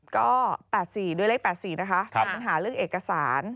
ก็๘๔ด้วยเลข๘๔นะคะมีปัญหาเรื่องเอกสาร